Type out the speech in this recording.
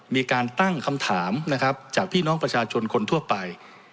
มีการตั้งคำถามนะครับจากพี่น้องประชาชนคนทั่วไป